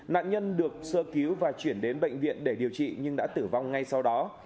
nạn nhân được sơ cứu và chuyển đến bệnh viện để điều trị nhưng đã tử vong ngay sau đó